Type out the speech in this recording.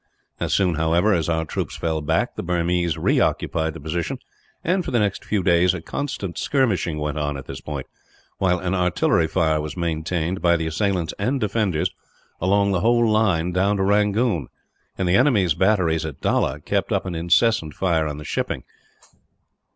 As soon, however, as our troops fell back the Burmese reoccupied the position and, for the next few days, a constant skirmishing went on at this point; while an artillery fire was maintained, by the assailants and defenders, along the whole line down to Rangoon, and the enemy's batteries at Dalla kept up an incessant fire on the shipping.